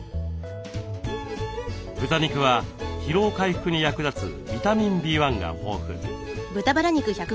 豚肉は疲労回復に役立つビタミンＢ１が豊富。